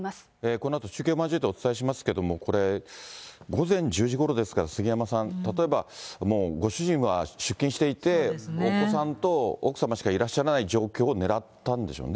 このあと、中継交えてお伝えしますけれども、これ、午前１０時ごろですから、杉山さん、例えばもう、ご主人は出勤していて、お子さんと奥様しかいらっしゃらない状況を狙ったんでしょうね。